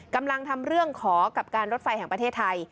กำลังทำเรื่องขอกับการรถไฟแห่งประเทศไทย